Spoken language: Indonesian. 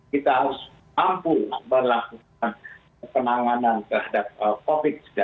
kita harus mampu melakukan penanganan terhadap covid sembilan belas